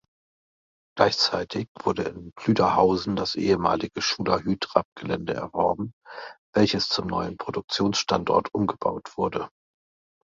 Gleichzeitig wurde in Plüderhausen das ehemalige Schuler-Hydrap-Gelände erworben, welches zum neuen Produktionsstandort umgebaut wurde.